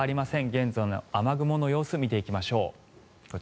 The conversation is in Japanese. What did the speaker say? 現在の雨雲の様子見ていきましょう。